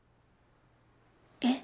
えっ？